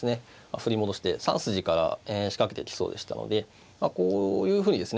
振り戻して３筋から仕掛けてきそうでしたのでこういうふうにですね